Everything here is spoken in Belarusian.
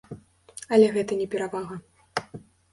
Але гэта не перавага.